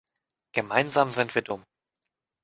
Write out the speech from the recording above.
Gemeinsam sind wir dumm!